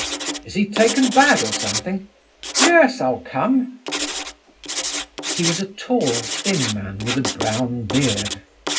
"Is he taken bad or something? Yes, I'll come." He was a tall thin man with a brown beard.